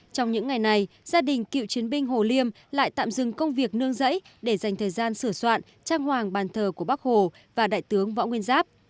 trong những ngày này gia đình cựu chiến binh hồ liêm lại tạm dừng công việc nương giấy để dành thời gian sửa soạn trang hoàng bàn thờ của bác hồ và đại tướng võ nguyên giáp